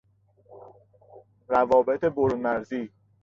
روابط برونمرزی